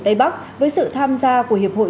tây bắc với sự tham gia của hiệp hội